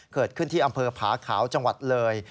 เกิดขึ้นที่อำเภอผาขาวจังหวัดเลย